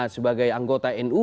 sebagai anggota nu